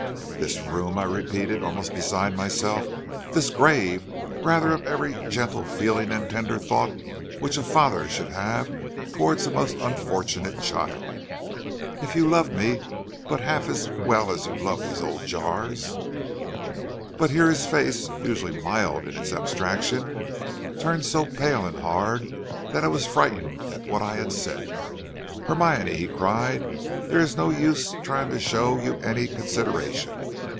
"'This room!' I repeated, almost beside myself. 'This grave rather of every gentle feeling and tender thought which a father should have towards a most unfortunate child. If you loved me but half as well as you love these old jars ' "But here his face, usually mild in its abstraction, turned so pale and hard that I was frightened at what I had said. "'Hermione,' he cried, 'there is no use trying to show you any consideration.